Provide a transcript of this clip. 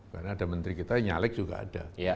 karena ada menteri kita yang nyalik juga ada